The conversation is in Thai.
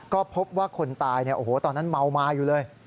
ก็พบว่าคนตายตอนนั้นเมามาอยู่เลย